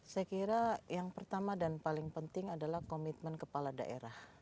saya kira yang pertama dan paling penting adalah komitmen kepala daerah